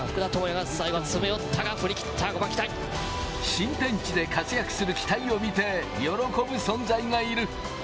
新天地で活躍する北井を見て喜ぶ存在がいる。